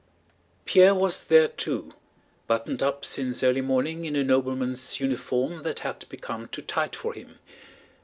Pierre was there too, buttoned up since early morning in a nobleman's uniform that had become too tight for him.